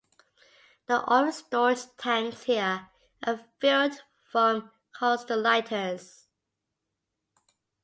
The oil storage tanks here are filled from coastal lighters.